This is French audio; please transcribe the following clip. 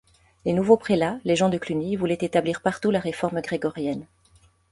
Les nouveaux prélats, les gens de Cluny, voulaient établir partout la réforme grégorienne.